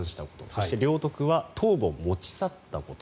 そして領得は頭部を持ち去ったこと。